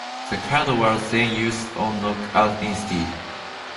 The card was then used on Knockout instead.